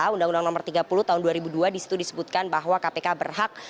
undang undang nomor tiga puluh tahun dua ribu dua disitu disebutkan bahwa kpk berhak